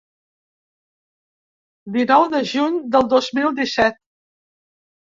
Dinou de juny del dos mil disset.